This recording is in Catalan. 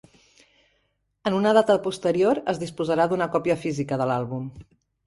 En una data posterior es disposarà d'una còpia física de l'àlbum.